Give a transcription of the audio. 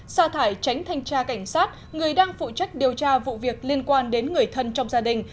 xa thải tránh thanh tra cảnh sát người đang phụ trách điều tra vụ việc liên quan đến người thân trong gia đình